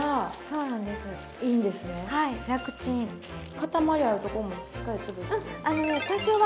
塊あるところもしっかり潰した方が？